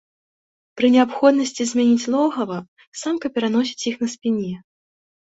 Пры неабходнасці змяніць логава, самка пераносіць іх на спіне.